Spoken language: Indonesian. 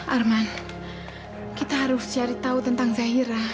arman kita harus cari tahu tentang zahira